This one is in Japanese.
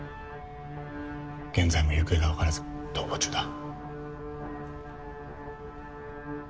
現在も行方がわからず逃亡中だ。